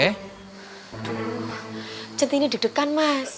duh centini deg degan mas